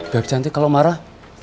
baik cantik kalo marah